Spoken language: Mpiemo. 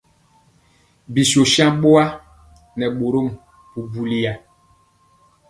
Bi shoshan bɔa nɛ bɔrmɔm bubuli.